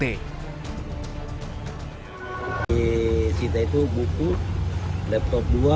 di situ itu buku laptop dua